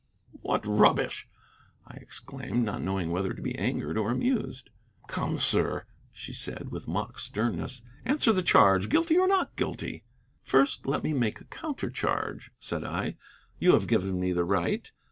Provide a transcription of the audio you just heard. "What rubbish!" I exclaimed, not knowing whether to be angered or amused. "Come, sir," she said, with mock sternness, "answer the charge. Guilty or not guilty?" "First let me make a counter charge," said I; "you have given me the right.